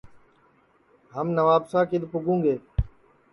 ہم نوابشاہ کِدؔ پُگوں گے